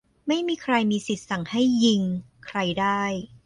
ไม่มีใครมีสิทธิ์สั่งให้ "ยิง" ใครได้